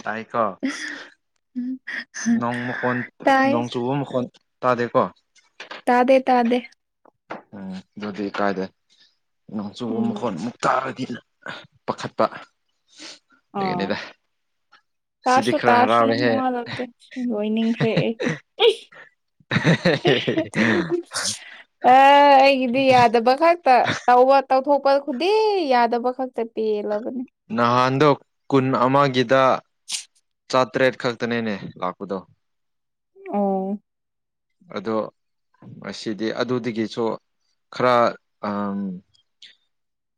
ꯇꯥꯏꯀꯣ ꯎꯝ ꯅꯣꯡ ꯃꯈꯣꯟ ꯇꯥꯏ ꯅꯣꯡ ꯆꯨꯕ ꯃꯈꯣꯟꯜ ꯇꯥꯗꯦꯀꯣ ꯇꯥꯗꯦ ꯇꯥꯗꯦ ꯎꯝ ꯑꯗꯨꯗꯤ ꯀꯥꯏꯗꯦ ꯅꯣꯡꯆꯨꯕ ꯎꯝ ꯃꯈꯣꯟ ꯑꯃꯨꯛ ꯇꯥꯔꯗꯤ ꯄꯥꯈꯠꯄ ꯑꯥ ꯂꯩꯗꯒꯤꯅꯤꯗ ꯇꯥꯁꯨ ꯇꯥꯁꯨ ꯅꯪ ꯃꯉꯜꯂꯗꯦ ꯁꯤ ꯂꯣꯏꯅꯤꯡꯈ꯭ꯔꯦ ꯑꯩ ꯑ ꯑꯩꯒꯤꯗꯤ ꯌꯥꯗꯕ ꯈꯛꯇ ꯇꯧꯕ ꯇꯧꯊꯣꯛꯄ ꯈꯨꯗꯤ ꯌꯥꯗꯕ ꯈꯛꯇ ꯄꯦꯜꯂꯕꯅꯤ ꯅꯍꯥꯟꯗꯣ ꯀꯨꯟ ꯑꯃꯒꯤꯗ [inaudible] ꯆꯥꯇꯔꯦꯠ ꯈꯛꯇꯅꯦꯅꯦ ꯂꯥꯛꯄꯗꯣ ꯑꯣ ꯑꯣ ꯃꯁꯤꯗꯤ ꯑꯗꯨꯗꯒꯤꯁꯨ ꯈꯔ ꯎ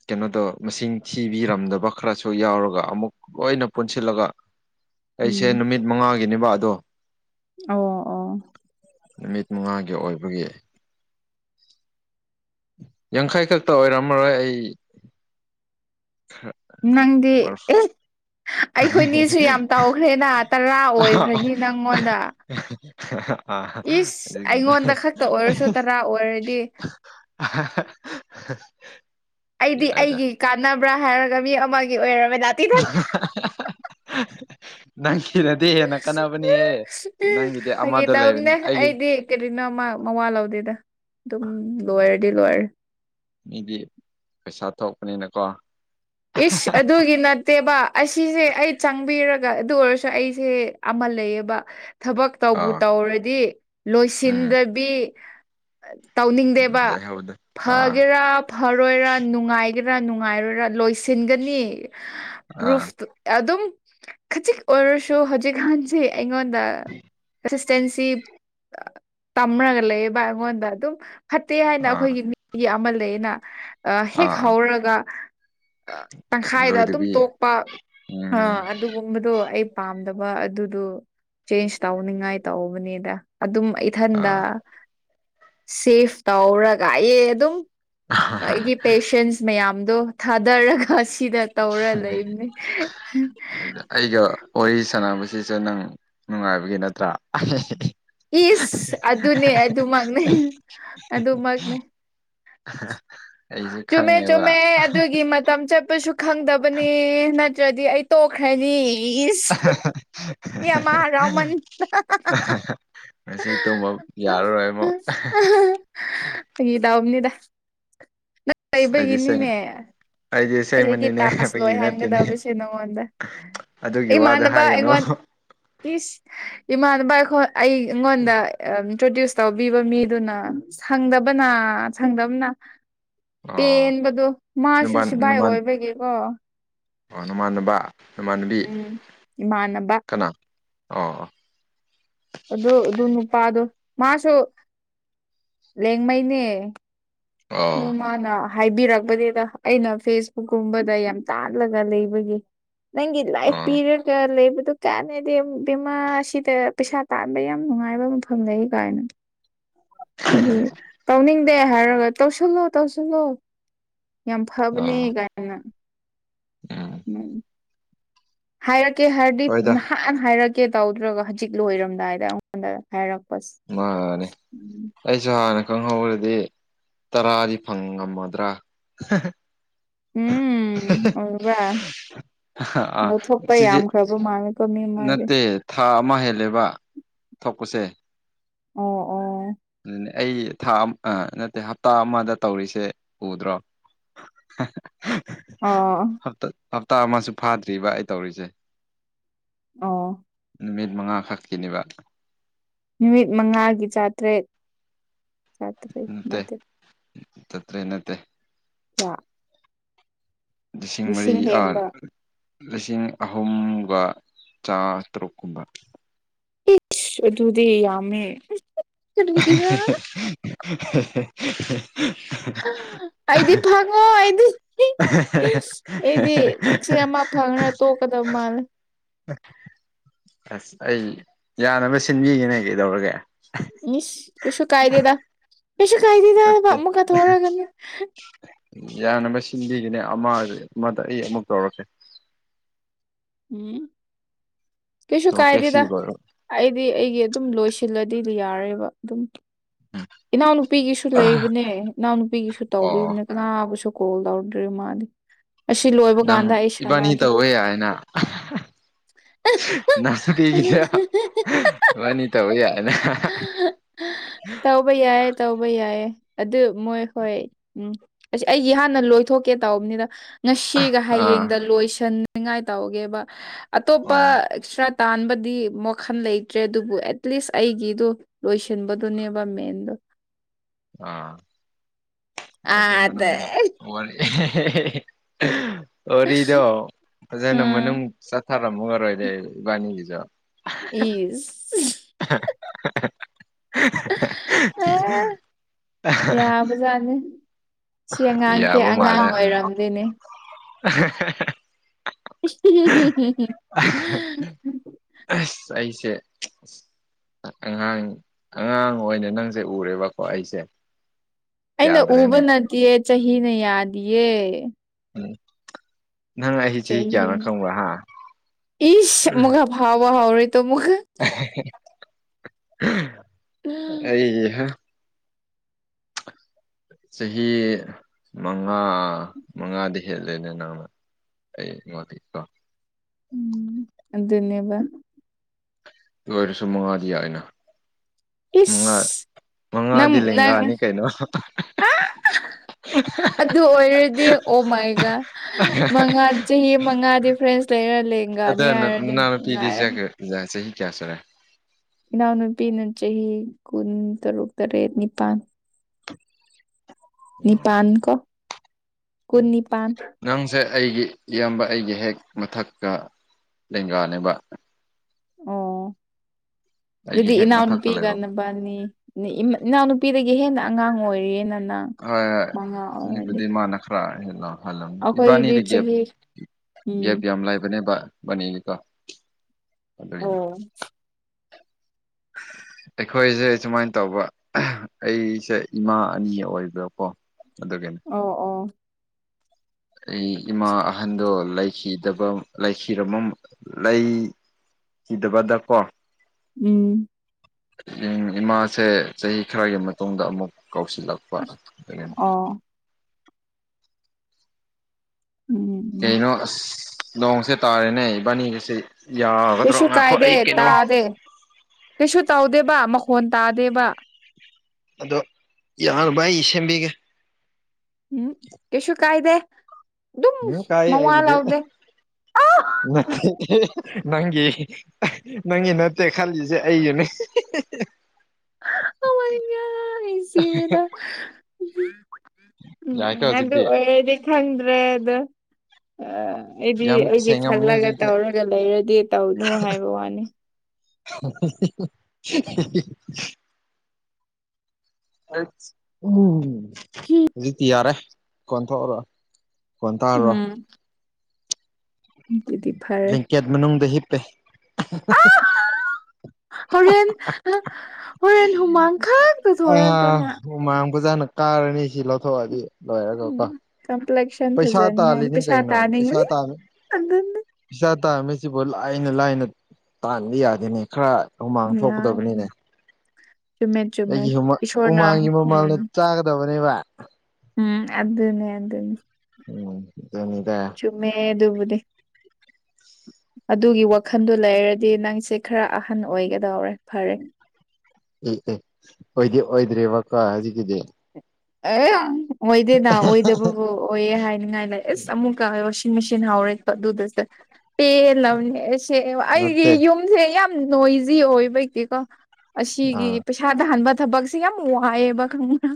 ꯀꯩꯅꯣꯗꯣ ꯃꯁꯤꯡ ꯊꯤꯕꯤꯔꯝꯗꯕ ꯈꯔꯁꯨ ꯌꯥꯎꯔꯒ ꯑꯃꯨꯛ ꯂꯣꯏꯅ ꯄꯨꯟꯁꯤꯜꯂꯒ ꯎꯝ ꯑꯩꯁꯦ ꯅꯨꯃꯤꯠ ꯃꯉꯥꯒꯤꯅꯦꯕ ꯑꯗꯣ ꯑꯣ ꯑꯣ ꯅꯨꯃꯤꯠ ꯃꯉꯥꯒꯤ ꯑꯣꯏꯕꯒꯤ ꯌꯥꯡꯈꯩ ꯈꯛꯇ ꯑꯣꯏꯔꯝꯃꯔꯣꯏ ꯑꯩ ꯈꯔ ꯅꯪꯦ ꯃꯔꯐꯨ ꯑꯩꯈꯣꯏꯅꯤꯁꯨ ꯌꯥꯝ ꯇꯧꯈ꯭ꯔꯦꯅ ꯇꯔꯥ ꯑꯣꯏꯈ꯭ꯔꯅꯤ ꯅꯪꯉꯣꯟꯗ ꯑ ꯏꯁ ꯑꯗꯨ [inaudible] ꯑꯩꯉꯣꯟꯗ ꯈꯛꯇ ꯑꯣꯏꯔꯁꯨ ꯇꯔꯥ ꯑꯣꯏꯔꯗꯤ ꯑꯩꯗꯤ ꯑꯩꯒꯤ ꯀꯥꯟꯅꯕ꯭ꯔꯥ ꯍꯥꯏꯔꯒ ꯃꯤ ꯑꯃꯒꯤ ꯑꯣꯏꯔꯃꯦ ꯇꯤꯗ ꯅꯪꯒꯤꯅꯗꯤ ꯍꯦꯟꯅ ꯀꯥꯟꯅꯕꯅꯦꯍꯦ ꯅꯪꯒꯤꯗꯤ ꯐꯒꯦ ꯑꯃꯗꯣ ꯂꯩꯕꯅꯤ ꯇꯝꯅꯦ ꯑꯩꯒꯤ ꯑꯩꯗꯤ ꯀꯔꯤꯅꯣ ꯃꯜ ꯂꯧꯥꯎꯗꯦꯗ ꯑꯗꯨꯝ ꯂꯣꯏꯔꯗꯤ ꯂꯣꯏꯔꯦ ꯃꯤꯗꯤ ꯄꯩꯁꯥ ꯊꯣꯛꯄꯅꯤꯅꯀꯣ ꯏꯁ ꯑꯗꯨꯒꯤ ꯅꯠꯇꯦꯕ ꯑꯁꯤꯁꯦ ꯑꯩ ꯆꯪꯕꯤꯔꯒ ꯑꯗꯨ ꯑꯣꯏꯔꯁꯨ ꯑꯩꯁꯦ ꯑꯃ ꯂꯩꯌꯦꯕ ꯊꯕꯛ ꯇꯧꯕ ꯑꯥ ꯇꯧꯔꯗꯤ ꯎꯝ ꯂꯣꯏꯁꯤꯟꯗꯕꯤ ꯇꯧꯅꯤꯡꯗꯦꯕ ꯂꯩꯍꯧꯗꯦ ꯑꯥ ꯐꯒꯦꯔꯥ ꯐꯔꯣꯏꯔ ꯅꯨꯡꯉꯥꯏꯒꯦꯔꯥ ꯅꯨꯡꯉꯥꯏꯔꯣꯏꯔ ꯂꯣꯏ ꯁꯤꯟꯒꯅꯤ ꯑꯥ ꯄ꯭ꯔꯨꯐ ꯑꯗꯨꯝ ꯈꯖꯤꯛ ꯑꯣꯏꯔꯁꯨ ꯍꯧꯖꯤꯛꯀꯥꯟꯁꯤ ꯑꯩꯉꯣꯟꯗ ꯆꯦꯟꯁꯤ ꯇꯝꯔꯒ ꯂꯩꯌꯦꯕ ꯑꯩꯉꯣꯟꯗ ꯑꯗꯨꯝ ꯐꯠꯇꯦ ꯍꯥꯏꯅ ꯑꯥ ꯑꯩꯈꯣꯏꯒꯤ ꯃꯤ ꯑꯃ ꯂꯩꯅ ꯑ ꯍꯦꯛ ꯑꯥ ꯍꯧꯔꯒ ꯇꯪꯈꯥꯏꯗ ꯑꯗꯨꯝ ꯂꯣꯏꯗꯕꯤ ꯇꯣꯛꯄ ꯑ ꯎꯝ ꯑꯗꯨꯒꯨꯝꯕꯗꯣ ꯑꯩ ꯄꯥꯝꯗꯕ ꯑꯗꯨꯗꯣ ꯆꯦꯟꯖ ꯇꯧꯅꯤꯡꯉꯥꯏ ꯇꯧꯕꯅꯦꯗ ꯑꯗꯨꯝ ꯏꯊꯟꯗ ꯑꯥ ꯁꯦꯐ ꯇꯧꯔꯒ ꯑꯦ ꯑꯗꯨꯝ ꯑꯩꯒꯤ ꯄꯦꯁꯦꯟꯁ ꯃꯌꯥꯝꯗꯣ ꯊꯥꯗꯔꯒ ꯁꯤꯗ ꯇꯧꯔ ꯂꯩꯕꯅꯦ ꯑꯩꯒ ꯋꯥꯔꯤ ꯁꯥꯟꯅꯕ ꯑꯁꯤꯁꯦ ꯅꯪ ꯅꯨꯡꯉꯥꯏꯕꯒꯤ ꯅꯠꯇ꯭ꯔꯥꯗꯤ ꯏꯁ ꯑꯗꯨꯅꯦ ꯑꯗꯨꯃꯛꯅꯦ ꯑꯗꯨꯃꯛꯅꯦ ꯑꯩꯁꯨ ꯆꯨꯝꯃꯦ ꯈꯪꯉꯦꯕ ꯆꯨꯝꯃꯦ ꯑꯗꯨꯒꯤ ꯃꯇꯝ ꯆꯠꯄꯁꯨ ꯈꯪꯗꯕꯅꯤ ꯅꯠꯇ꯭ꯔꯗꯤ ꯗꯤ ꯑꯩ ꯇꯣꯛꯈ꯭ꯔꯅꯤ ꯏꯁ [unintelligible] ꯃꯁꯤ ꯇꯨꯝꯃ ꯌꯥꯔꯔꯣꯏꯃꯣ ꯀꯩꯕꯒꯤ ꯏꯅꯤꯅꯦ ꯑꯩꯗꯤ ꯑꯩꯒꯤ ꯑꯁꯦꯡꯕꯅꯤꯅꯦ ꯇꯥꯁ ꯐꯥꯒꯤ ꯂꯣꯏ ꯅꯠꯇꯦꯅꯦ ꯍꯪꯒꯗꯕꯁꯦ ꯅꯉꯣꯟꯗ ꯑꯗꯨꯒꯤ ꯋꯥꯗꯣ ꯏꯃꯥꯟꯅꯕ ꯍꯥꯏꯒꯅꯣ ꯑꯩꯉꯣꯟ ꯏꯁ ꯏꯃꯥꯟꯅꯕ ꯑꯩꯈꯣꯏ ꯑꯩ ꯑꯩꯉꯣꯟꯗ ꯏꯟꯇ꯭ꯔꯣꯗ꯭ꯌꯨꯁ ꯇꯧꯕꯤꯕ ꯃꯤꯗꯨꯅ ꯁꯪꯗꯕꯅ ꯁꯪꯗꯕꯅ ꯑꯣ ꯄꯦꯟꯕꯗꯣ ꯃꯥꯁꯨ ꯅꯃꯥꯟ ꯁꯤꯚꯥꯏ ꯅꯃꯥꯟ ꯑꯣꯏꯕꯒꯤꯀꯣ ꯑꯣ ꯅꯃꯥꯟꯅꯕ ꯅꯃꯥꯟꯅꯕꯤ ꯎꯝ ꯏꯃꯥꯟꯅꯕ ꯀꯅꯥ ꯑꯥ ꯑ ꯑꯗꯨ ꯑꯗꯨ ꯅꯨꯄꯥꯗꯣ ꯃꯥꯁꯨ ꯂꯦꯡꯃꯩꯅꯦ ꯑꯣ ꯎꯅꯨꯡꯃꯅꯥ ꯍꯥꯏꯕꯤꯔꯛꯄꯅꯦꯗ ꯑꯩꯅ ꯐꯦꯁꯕꯨꯛꯀꯨꯝꯕꯗ ꯌꯥꯝ ꯇꯥꯜꯂꯒ ꯂꯩꯕꯒꯤ ꯅꯪ ꯂꯥꯏꯐ ꯑꯣ ꯄꯤꯔꯤꯌꯦ ꯀ ꯂꯩ ꯑꯗꯨꯀꯥꯟꯅꯦꯗꯤ ꯕꯤꯃꯥꯁꯤꯗ ꯄꯩꯁꯥ ꯇꯥꯟꯕ ꯌꯥꯝ ꯅꯨꯡꯉꯥꯏꯕ ꯃꯐꯝ ꯂꯩ ꯀꯥꯏꯅꯣ ꯎꯝ ꯇꯧꯅꯤꯡꯗꯦ ꯍꯥꯏꯔꯒ ꯇꯧꯁꯤꯜꯂꯣ ꯇꯧꯁꯤꯜꯂꯣ ꯌꯥꯝ ꯐꯕꯅꯦ ꯑꯣ ꯀꯥꯏꯅ ꯎꯝ ꯍꯥꯏꯔꯛꯀꯦ ꯍꯥꯏꯔꯗꯤꯠ ꯍꯣꯏꯗ ꯅꯍꯥꯟ ꯍꯥꯏꯔꯛꯀꯦ ꯇꯧꯗ꯭ꯔꯒ ꯍꯧꯖꯤꯛ ꯂꯣꯏꯔꯝꯗꯥꯏꯗ ꯑꯩꯉꯣꯟꯗ ꯍꯥꯏꯔꯛꯦ ꯃꯥꯅꯦ ꯑꯩꯁꯨ ꯍꯥꯟꯅꯦ ꯈꯪꯍꯧꯔꯗꯤ ꯇꯔꯥꯗꯤ ꯐꯪ ꯉꯝꯃꯗ꯭ꯔꯥ ꯎꯝ ꯑꯣꯜ꯭ꯔ ꯑꯥ ꯑꯗꯨ ꯊꯣꯛꯄ ꯁꯤꯁꯦ ꯌꯥꯝꯈ꯭ꯔꯕ ꯃꯥꯜꯂꯦꯀ ꯃꯤ ꯃꯗꯤꯦ ꯅꯠꯇꯦ [unintelligible] ꯀ ꯎꯆꯦ ꯑꯣ ꯑꯣ ꯑꯗꯨ ꯑꯩ ꯊꯥ ꯅꯠꯇꯦ ꯍꯞꯇꯥ ꯑꯃꯗ ꯇꯧꯔꯤꯁꯦ ꯎꯗ꯭ꯔꯣ [unintelligible] ꯑ ꯍꯞꯇꯥ ꯍꯞꯇꯥ ꯑꯃꯁꯨ ꯐꯥꯗ꯭ꯔꯤꯕ ꯑꯩ ꯇꯧꯔꯤꯁꯦ ꯑ ꯅꯨꯃꯤꯠ ꯃꯉꯥꯈꯛꯀꯤꯅꯦꯕ ꯅꯨꯃꯤꯠ ꯃꯉꯥꯒꯤ ꯆꯥꯇ꯭ꯔꯦꯠ ꯆꯥꯇ꯭ꯔꯦꯠ ꯇꯦꯠ ꯇꯠꯇ ꯌꯦ ꯅꯠꯇ ꯌꯥ ꯂꯤꯁꯤꯡ ꯃꯔꯤ ꯍꯦꯟꯕ ꯂꯤꯁꯤꯡ ꯑꯍꯨꯝꯒ ꯆꯥꯇꯔꯨꯛ ꯀꯨꯝꯕ ꯑꯗꯨꯗꯤ ꯌꯥꯝꯃꯦ ꯀꯔꯤꯒꯤꯔꯥ [inaudible] ꯑꯩꯗꯤ ꯐꯒ ꯋꯥꯗꯤ ꯑꯩꯗꯤ ꯁꯤ ꯑꯃ ꯐꯪꯈ꯭ꯔ ꯇꯣꯛꯀꯗꯕ ꯃꯥꯜꯂꯦ ꯑꯁ ꯑꯩ ꯌꯥꯅꯕ ꯁꯤꯟꯕꯤꯒꯦꯅꯦ ꯀꯩꯗꯧꯔꯒꯦ ꯏ ꯑꯦꯁꯨ ꯀꯥꯏꯗꯦꯗ ꯅꯠꯇꯦ ꯑꯩꯁꯨꯀꯥꯏꯗꯤꯗꯃ ꯀ ꯊꯣꯔ ꯀꯅꯤ ꯌꯥꯅꯕ ꯁꯤꯟꯕꯤꯒꯅꯤ ꯑꯃ ꯑꯃꯗ ꯑꯩ ꯑꯃꯨꯛ ꯇꯧꯔꯛꯀꯦ ꯎꯝ ꯀꯩꯁꯨ ꯇꯧꯔꯛꯀꯦ ꯁꯤ ꯀꯥꯏꯗꯦꯗ ꯂꯣꯏꯔ ꯑꯩꯗꯤ ꯑꯩꯒꯤ ꯑꯗꯨꯝ ꯂꯣꯏꯁꯤꯜꯂꯗꯤꯗꯤ ꯌꯥꯔꯦꯕ ꯑꯗꯨꯝ ꯏꯅꯥꯎꯅꯨꯄꯤꯒꯤꯁꯨ ꯑꯣ ꯂꯩꯕꯅꯦ ꯏꯅꯥꯎꯅꯨꯄꯤꯒꯤꯁꯨ ꯇꯧꯕꯤꯕꯅꯦ ꯀꯅꯥꯕꯨꯁꯨ ꯀꯣꯜꯗꯗꯥꯥꯎꯗꯔ ꯃꯥꯅꯤ ꯅꯪ ꯏꯕꯥꯅꯤ ꯇꯧꯋ ꯌꯥ ꯍꯥꯏꯅ ꯅꯪꯁꯨ ꯄꯤꯈꯤꯗ ꯋꯥꯅꯤ ꯇꯧꯧꯕ ꯌꯥꯏꯅꯦ ꯇꯧꯕ ꯌꯥꯏꯌꯦ ꯇꯧꯕ ꯌꯥꯏ ꯑꯗꯨ ꯃꯣꯏ ꯍꯣꯏ ꯎꯝ ꯑꯁꯤꯁ ꯑꯩꯒꯤ ꯍꯥꯟꯅ ꯂꯣꯏꯊꯣꯛꯀꯦ ꯇꯧꯕꯅꯤꯗ ꯉꯁꯤꯒ ꯑꯥ ꯍꯌꯦꯡꯗ ꯂꯣꯏꯁꯟꯉꯥꯏ ꯇꯧꯒꯦꯕ ꯑꯇꯣꯞꯄ ꯑꯣ ꯑꯦꯛꯁꯇ꯭ꯔꯥ ꯇꯥꯟꯕꯗꯤ ꯃꯈꯟ ꯂꯩꯇ꯭ꯔꯦ ꯑꯗꯨꯕꯨ ꯑꯦꯠꯂꯤꯁ ꯑꯩꯒꯤꯗꯣ ꯂꯣꯏꯁꯤꯟꯕꯗꯨꯅꯦꯕ ꯃꯦꯟꯗꯣ ꯑꯥ ꯑ ꯑꯗ [inaudible] ꯋꯥꯔꯤꯔꯤꯗꯣ ꯐꯖꯅ ꯃꯅꯨꯡ ꯎꯝ ꯆꯠꯊꯔꯝꯃꯨ ꯑꯣꯏꯔꯣꯏꯗ ꯏꯕꯥꯅꯤꯒꯤꯁꯨ ꯏ [inaudible] ꯑ ꯌꯥꯕꯨꯖꯅꯤ ꯁꯤ ꯑꯉꯥꯡꯁꯦ ꯌꯥꯕ ꯑꯉꯥꯡ ꯃꯥꯜꯂꯦ ꯎꯝ ꯑꯣꯏꯔꯝꯗꯣꯏꯅꯦ [inaudible] [inaudible] ꯆꯦ ꯑꯉꯥꯡ ꯑꯉꯥꯡ ꯑꯣꯏꯅ ꯅꯪꯁꯦ ꯎꯔꯦꯕꯀꯣ ꯑꯩꯁꯦ ꯑꯩꯅ ꯎꯕ ꯌꯥꯗ꯭ꯔꯦꯅꯦ ꯅꯠꯇꯦꯌꯦ ꯆꯍꯤꯅ ꯌꯥꯗꯤꯌꯦ ꯎꯝ ꯅꯪ ꯑꯩ ꯆꯍꯤ ꯀꯌꯥꯅꯣ ꯆꯍꯤꯅ ꯈꯪꯕ꯭ꯔꯥ ꯍꯥ ꯋꯥ ꯍꯧꯎꯔꯤ ꯇ ꯃꯨꯛ ꯑꯩ ꯆꯍꯤ ꯃꯉꯥ ꯃꯉꯥꯗꯤ ꯍꯦꯜꯂꯦꯅꯦ ꯅꯪꯅ ꯑꯦ ꯃꯗꯤ ꯀꯣ ꯎꯝ ꯟꯕ ꯔꯁꯨꯨꯝꯃꯉꯥꯗꯤꯌꯥꯏꯅ ꯃꯉꯥ ꯏꯁ ꯃꯉꯥꯗꯤ ꯂꯦꯡꯒꯥꯅꯤ ꯀꯩꯅꯣ ꯑ ꯀ ꯑꯗꯨ ꯑꯣꯏꯔꯗꯤ ꯑꯣ ꯃꯥꯏꯒ ꯃꯉꯥ ꯆꯍꯤ ꯃꯉꯥꯗꯤ ꯐ꯭ꯔꯦꯟꯁ ꯑꯗ ꯅꯨꯡꯉꯥꯏꯔꯅꯤ ꯅꯅꯥꯎꯅꯨꯄꯤꯗꯁ ꯆꯍꯤ ꯀꯌꯥ ꯁꯨꯔꯦ ꯏꯅꯥꯎꯅꯨꯄꯤꯅ ꯆꯍꯤ ꯀꯨꯟ ꯇꯔꯨꯛ ꯇꯔꯦꯠ ꯅꯤꯄꯥꯜ ꯎꯝ ꯅꯤꯄꯥꯟ ꯀ ꯀꯣꯟ ꯅꯤꯄꯥꯟ ꯅꯪꯁꯦ ꯑꯩꯒꯤ ꯏꯌꯥꯝꯕ ꯑꯩꯒꯤ ꯍꯦꯛ ꯃꯊꯛꯀ ꯂꯦꯡꯒꯥꯅꯦꯕ ꯑꯣ ꯑꯩꯒꯤ ꯑꯗꯨꯗꯤ ꯍꯦꯛ ꯃꯊꯛꯇ ꯂꯩꯕ ꯍꯣꯏ ꯏꯅꯥꯎꯅꯨꯄꯤꯒꯅꯕꯅꯤ ꯏꯅꯥꯎꯅꯨꯄꯤꯗꯒꯤ ꯍꯦꯟꯅ ꯑꯉꯥꯡ ꯑꯣꯏꯔꯤꯅ ꯅꯪ ꯃꯉꯥ ꯑꯣꯏꯔꯗꯤ ꯍꯜꯂꯣ ꯍꯜꯂꯣ ꯑꯩꯈꯣꯏꯗꯤ ꯏꯕꯥꯅꯤꯗꯤ ꯒꯦꯞ ꯆꯍꯤ ꯎꯝ ꯒꯦꯞ ꯌꯥꯝ ꯂꯩꯕꯅꯦꯕ ꯕꯅꯤꯀ ꯑꯣ [inaudible] ꯑꯩꯈꯣꯏꯁꯦ ꯁꯨꯃꯥꯏꯅ ꯇꯧꯕ ꯑꯩꯁꯦ ꯏꯃꯥ ꯑꯅꯤ ꯑꯣꯏꯕ꯭ꯔꯀꯣ ꯑꯣ ꯑꯣ ꯑꯩ ꯏꯃꯥ ꯑꯍꯟꯗꯣ ꯂꯩꯈꯤꯗꯕ ꯂꯩꯈꯤꯔ ꯂꯩꯈꯤꯗꯕꯗ ꯀꯣ ꯎꯝ ꯏꯃꯥꯁꯦ ꯆꯍꯤ ꯈꯔꯒꯤ ꯃꯇꯨꯡꯗ ꯑꯃꯨꯛ ꯀꯥꯎꯁꯤꯜꯂꯥꯛꯄ ꯑꯣ ꯎꯝ ꯎꯝ ꯀꯩꯅꯣ ꯑꯁ ꯂꯣꯡꯁꯦ ꯇꯥꯔꯦꯅꯦ ꯏꯕꯥꯅꯤꯒꯤꯁꯦ ꯌꯥꯒꯗ꯭ꯔꯣ ꯀꯩꯁꯨ ꯉꯥꯈꯣ ꯀꯥꯏꯗꯦ ꯑꯩ ꯀꯩꯅꯣ ꯇꯥꯗꯦ ꯀꯩꯁꯨ ꯇꯧꯗꯦ ꯕ ꯃꯈꯣꯟ ꯇꯥꯗꯦꯕ ꯑꯗꯣ ꯌꯥꯅꯕ ꯑꯩ ꯁꯦꯝꯕꯤꯒꯦ ꯎꯝ ꯀꯩꯁꯨ ꯀꯥꯏꯗꯦ ꯑꯗꯨꯝ ꯎꯝ ꯀꯥꯏ ꯃꯋꯥ ꯍꯥꯏꯒꯤꯗꯤ ꯂꯧꯗꯦ ꯅꯪꯒꯤ ꯅꯪꯒꯤ ꯅꯠꯇꯦ ꯈꯜꯂꯤꯁꯦ ꯑꯩꯁꯨꯅꯦ [inaudible] ꯁꯤꯔꯦꯗ ꯎꯝ ꯎꯝ ꯑꯗꯨ ꯑꯣꯏꯔꯗꯤ ꯈꯪꯗ꯭ꯔꯦ ꯑꯗꯣ ꯑ ꯑꯩꯗꯤ ꯌꯥꯝ ꯑꯩꯗꯤ ꯁꯦꯡꯉꯝꯅꯤ ꯈꯜꯂꯒ ꯍꯧꯖꯤꯛꯇꯤ ꯇꯧꯔꯒ ꯂꯩꯔꯗꯤ ꯇꯧꯅꯨ ꯍꯥꯏꯕ ꯋꯥꯅꯤ [unintelligible] ꯎ ꯍꯧꯖꯤꯛꯇꯤ ꯌꯥꯔꯦ ꯀꯣꯟꯊꯣꯛꯎꯔ ꯎꯝ ꯑꯗꯨꯗꯤ ꯂꯦꯡꯀꯦꯠ ꯃꯅꯨꯡꯗ ꯍꯤꯞꯄꯦ ꯑ ꯍꯣꯔꯦꯟ ꯍꯣꯔꯦꯟ ꯍꯨꯃꯥꯡ ꯈꯛꯇꯁꯨ ꯁꯣꯔꯛꯇꯅ ꯄꯨꯖꯥꯅ ꯀꯥꯔꯅꯤ ꯁꯤ ꯂꯧꯊꯣꯛꯑꯗꯤ ꯂꯣꯏꯔꯒ ꯀꯣ ꯎꯝ ꯀꯝꯄ꯭ꯂꯦꯛꯁꯟ ꯄꯩꯁꯥ ꯐꯖꯅꯤꯡꯉꯥꯏ ꯇꯥꯜꯂꯤꯅꯤ ꯄꯩꯁꯥ ꯀꯩꯅꯣ ꯄꯩꯁꯥ ꯇꯥꯅꯤꯡꯕꯅꯤ ꯇꯥꯜꯂꯤ ꯑꯗꯨꯅꯤ ꯄꯩꯁꯥ ꯇꯥꯜꯂꯤ ꯁꯤꯕꯨ ꯂꯥꯏꯅ ꯂꯥꯏꯅ ꯇꯥꯟꯕ ꯌꯥꯗꯦꯅꯦ ꯈꯔ ꯍꯨꯃꯥꯡ ꯎꯝ ꯊꯣꯛꯀꯗꯕꯅꯤꯅꯦ ꯆꯨꯝꯃꯦ ꯆꯨꯝꯃꯦ ꯑꯩꯒꯤ ꯏꯁꯣꯔꯅ ꯍꯨꯃꯥꯡꯒꯤ ꯃꯃꯥꯡꯗ ꯎꯝ ꯆꯥꯒꯗꯕꯅꯦꯕ ꯎꯝ ꯑꯗꯨꯅꯦ ꯑꯗꯨꯅꯦ ꯎꯝ ꯑꯗꯨꯅꯤꯗ ꯆꯨꯝꯃꯦ ꯑꯗꯨꯕꯨꯗꯤ ꯑꯗꯨꯒꯤ ꯋꯥꯈꯟꯗꯨ ꯂꯩꯔꯗꯤ ꯅꯪꯁꯦ ꯈꯔ ꯑꯍꯟ ꯑꯣꯏꯒꯗꯧꯔꯦ ꯐꯔꯦ ꯑꯦ ꯑꯦ ꯑꯣꯏꯗꯤ ꯑꯣꯏꯗ꯭ꯔꯦꯕꯀꯥ ꯍꯧꯖꯤꯛꯀꯤꯗꯤ ꯑꯦ ꯑꯣꯏꯗꯦꯗ ꯑꯣꯏꯗꯕꯕꯨ ꯑꯣꯏꯌꯦ ꯍꯥꯏꯅꯤꯡꯉꯥꯏ ꯂꯩ ꯑꯁ ꯑꯃꯨꯛꯀ ꯑꯩꯒꯤ ꯅꯠꯇꯦ ꯌꯨꯝ ꯁꯦ ꯌꯥꯝꯅꯥ ꯅꯣꯏꯖꯤ ꯑꯣꯏꯕꯒꯤꯀꯣ ꯑꯁꯤꯒꯤ ꯑꯥ ꯄꯩꯁꯥꯗ ꯍꯟꯥꯟꯕ ꯁꯕꯛ ꯁꯤꯒ ꯌꯥꯝ ꯋꯥꯏꯕ ꯈꯡꯉꯕ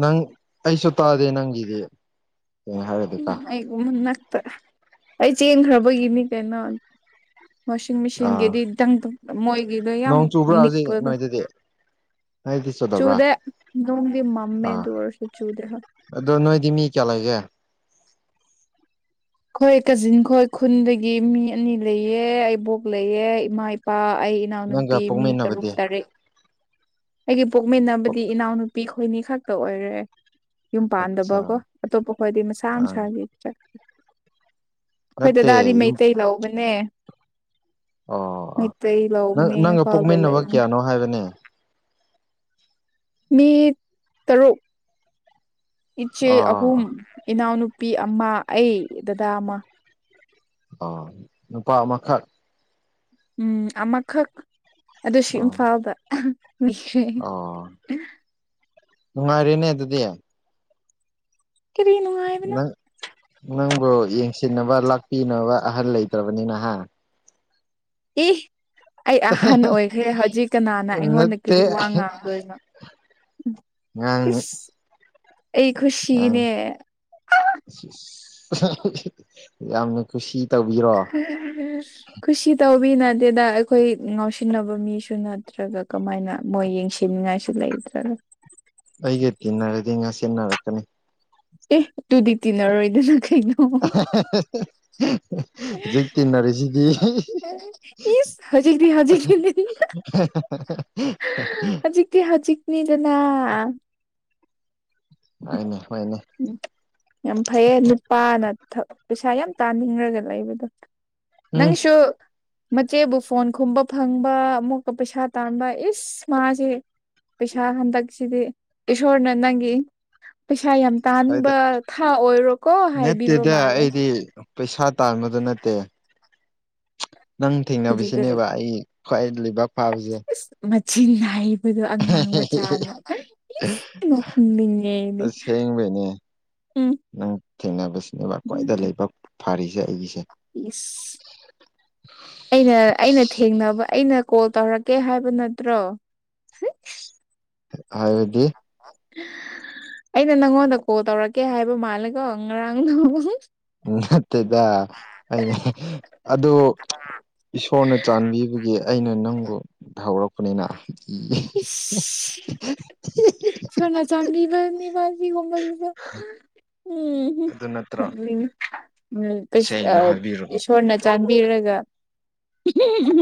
ꯅꯪ ꯑꯩꯁꯨ ꯇꯥꯗꯦ ꯅꯪꯗꯤ ꯎꯝ ꯑꯩꯒꯨꯝ ꯃꯟ ꯅꯛꯇ ꯑꯩ ꯆꯦꯟꯈ꯭ꯔꯕꯒꯤꯅꯤ ꯀꯩꯅꯣ ꯋꯥꯁꯤꯡ ꯑꯥ ꯃꯦꯆꯤꯟꯒꯤꯗꯤꯪ ꯃꯣꯏꯒꯤꯗꯣ ꯌꯥꯝ ꯅꯣꯡ ꯆꯨꯕ꯭ꯔꯥ ꯍꯧꯖꯤꯛ ꯅꯤꯛꯄꯗꯣ ꯅꯣꯏꯗꯗꯤ ꯅꯣꯏꯗꯤ ꯆꯨꯗꯕ꯭ꯔꯥ ꯆꯨꯗꯦ ꯑꯗꯨꯝ ꯗꯤ ꯃꯝꯃꯦ ꯑꯗꯨ ꯑꯣꯏꯔꯁꯨ ꯆꯨꯗꯦ ꯍꯥ ꯑꯗꯨꯗꯣ ꯅꯣꯏꯗꯤꯃꯤ ꯀꯌꯥ ꯂꯩꯒꯦ ꯑꯩꯈꯣꯏ ꯀꯥꯖꯤꯟ ꯈꯣꯏ ꯈꯨꯟꯗꯒꯤ ꯃꯤ ꯑꯅꯤ ꯂꯩꯑ ꯏꯕꯣꯛ ꯂꯩꯌꯦ ꯏꯃꯥ ꯏꯄꯥ ꯑꯩ ꯅꯪꯒ ꯏꯅꯥꯎꯅꯨꯄꯤ ꯃꯤ ꯇꯔꯨꯛ ꯄꯣꯛꯃꯤꯟꯅꯕꯗꯤ ꯇꯔꯦꯠ ꯑꯩꯒꯤ ꯄꯣꯛꯃꯤꯟꯅꯕꯗꯤ ꯏꯅꯥꯎꯅꯨꯄꯤ ꯈꯣꯏꯅꯤ ꯈꯛꯇ ꯑꯣꯏꯔꯦ ꯌꯨꯝ ꯑꯠꯆꯥ ꯄꯥꯟꯗꯕꯀꯣ ꯑꯇꯣꯞꯄ ꯈ꯭ꯋꯥꯗꯤ ꯃꯁꯥ ꯑꯥ ꯃꯁꯥꯒꯤ ꯑꯩꯈꯣꯏ ꯅꯠꯇꯦ ꯗꯗꯥꯗꯤ ꯌꯨꯝ ꯃꯩꯇꯩ ꯂꯧꯕꯅꯦ ꯑꯣ ꯑꯣ ꯃꯩꯇꯩ ꯅꯪ ꯂꯑꯣꯕꯅꯦ ꯅꯪꯒ ꯐꯜꯗ ꯄꯣꯛꯃꯤꯟꯅꯕ ꯂꯩꯕꯅꯤ ꯀꯌꯥꯅꯣ ꯍꯥꯏꯕꯅꯦ ꯃꯤ ꯇꯔꯨꯛ ꯏꯆꯦ ꯑꯍꯨꯝ ꯑꯥ ꯏꯅꯥꯎꯅꯨ ꯅꯨꯄꯤ ꯑꯃ ꯑꯩ ꯗꯗꯥ ꯑꯃ ꯑꯣ ꯅꯨꯄꯥ ꯃꯈꯛ ꯎꯝ ꯑꯃꯈꯛ ꯑꯗꯨꯁꯨ ꯑꯥ ꯏꯝꯐꯥꯎꯕ [inaudible] ꯑꯥ ꯅꯨꯡꯉꯥꯏꯔꯦꯅꯦ ꯑꯗꯨꯗꯤ ꯀꯔꯤꯅꯅꯨꯡꯉꯌꯦꯕꯅ ꯅꯪ ꯅꯪꯕꯨ ꯌꯦꯡꯁꯤꯟꯅꯕ ꯂꯥꯛꯄꯤꯅꯕ ꯑꯍꯜ ꯂꯩꯇ꯭ꯔꯕꯅꯤ ꯅꯍꯥꯟ ꯀ ꯑꯩ ꯑꯍꯟ ꯑꯣꯏꯈ꯭ꯔꯦ ꯍꯧꯖꯤꯛ ꯀꯅꯥꯅ ꯑꯩꯉꯣꯟꯗ ꯅꯠꯇꯦ ꯀꯔꯤ ꯋꯥ ꯉꯥꯡꯗꯣꯏꯅꯣ ꯉꯥꯡꯅꯤ ꯏꯁ ꯑꯩ ꯈꯨꯨꯁꯤꯤꯅꯦ ꯌꯥꯝꯝꯅ ꯈꯨꯁꯤ ꯈꯨꯁꯤꯤ ꯇ ꯍꯧ ꯇꯃꯤ ꯅꯗꯦꯗ ꯑꯩꯈꯣꯏ ꯉꯥꯎꯁꯤꯟꯅꯕ ꯃꯤꯁꯨ ꯅꯠꯇ꯭ꯔꯒ ꯀꯃꯥꯏꯅ ꯃꯣꯏ ꯌꯦꯡꯁꯤꯟꯅꯤꯡꯉꯥꯏꯁꯨ ꯂꯩꯔꯤ ꯆꯂꯣ ꯑꯩꯒ ꯇꯤꯟꯅꯔꯗꯤ ꯉꯥ ꯁꯤꯦꯟꯅꯔꯛꯀꯅꯤ ꯑꯦ ꯇꯨꯗꯤ ꯇꯤꯅꯔꯣꯏꯗꯅ [inaudible] ꯍꯧꯖꯤꯛ ꯇꯤꯟꯅꯔꯤꯁꯤꯗꯤ ꯍꯧꯖꯤꯛꯗꯤ ꯍꯧꯖꯤꯛ ꯍꯧꯖꯤꯛꯗꯤ ꯍꯧꯖꯤꯛꯅꯤꯗꯅ ꯑ ꯍꯅꯦ ꯍꯅꯦ ꯌꯥꯝ ꯐꯩꯌꯦ ꯅꯨꯄꯥꯅ ꯄꯩꯁꯥ ꯌꯥꯝ ꯇꯥꯅꯤꯡꯔꯒ ꯂꯩꯕꯗꯣ ꯎꯝ ꯅꯪꯁꯨꯣ ꯃꯆꯦꯕꯨ ꯐꯣꯟ ꯈꯨꯝꯕ ꯐꯪꯕ ꯑꯃꯨꯛꯀ ꯄꯩꯁꯥ ꯇꯥꯟꯕ ꯏꯁ ꯃꯥꯁꯦ ꯄꯩꯁꯥ ꯍꯟꯗꯛꯁꯤꯗꯤ ꯏꯁꯣꯔꯅ ꯅꯪꯒꯤ ꯄꯩꯁꯥ ꯌꯥꯝ ꯍꯥꯏꯗ ꯇꯥꯟꯕ ꯊꯥ ꯑꯣꯏꯔꯣꯀꯣ ꯍꯥꯏꯕꯤꯕ ꯅꯠꯇꯦꯗ ꯃꯥꯜꯂꯦ ꯑꯩꯗꯤ ꯄꯩꯁꯥ ꯇꯥꯡꯕꯗꯨ ꯅꯠꯇꯦ ꯅꯪ ꯑꯗꯨꯗꯤ ꯊꯦꯡꯅꯕꯁꯤꯅꯦꯕ ꯑꯩ ꯈ꯭ꯋꯥꯏ ꯂꯩꯕꯥꯛ ꯐꯥꯕꯁꯦ ꯃꯆ ꯑꯩꯈꯣꯏꯗꯣ ꯑꯉꯥꯡ ꯃꯆꯥꯅ ꯍꯨꯝꯅꯤꯡꯉꯦꯗꯤ ꯑꯁꯦꯡꯕꯩꯅꯦ ꯅꯪ ꯊꯦꯡꯅꯕꯁꯤꯅꯦꯕ ꯈ꯭ꯋꯥꯏꯗ ꯂꯩꯕꯛ ꯐꯔꯤꯁꯦ ꯑꯩꯒꯤꯁꯦ ꯌꯦ ꯑꯩꯅ ꯑꯩꯅ ꯊꯦꯡꯅꯕ ꯑꯩꯅ ꯀꯣꯜ ꯇꯧꯔꯛꯀꯦ ꯍꯥꯏꯕ ꯅꯠꯇ꯭ꯔꯣ ꯍꯥꯏꯗꯤ ꯑꯩꯅ ꯅꯪꯉꯣꯟꯗ ꯀꯣꯜ ꯇꯧꯔꯛꯀꯦ ꯍꯥꯏꯕ ꯃꯥꯜꯂꯦꯀꯣ ꯉꯔꯥꯡ ꯅ ꯎ ꯃꯠꯇꯩꯗꯅꯦ ꯑꯗ ꯏꯁꯣꯔꯅ ꯆꯥꯟꯕꯤꯕꯒꯤ ꯑꯩꯅ ꯅꯪꯕꯨ ꯍꯧꯔꯛꯄꯅꯤꯅ ꯊꯅꯥ ꯆꯥꯟꯅꯤꯕꯅꯤꯕ ꯑꯗꯨ ꯅꯠꯇ꯭ꯔꯣ ꯎꯝ ꯁꯦꯡꯅ ꯎꯝ ꯍꯥꯏꯕꯤꯔꯒ ꯏꯁꯣꯔꯅ ꯆꯥꯟꯕꯤꯔꯒ